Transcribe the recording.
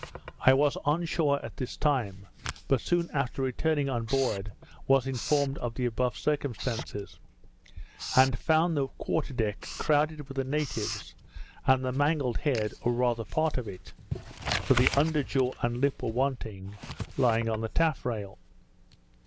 I was on shore at this time, but soon after returning on board, was informed of the above circumstances; and found the quarter deck crowded with the natives, and the mangled head, or rather part of it, (for the under jaw and lip were wanting) lying on the tafferal.